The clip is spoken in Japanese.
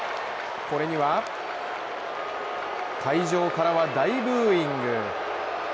これには会場からは大ブーイング。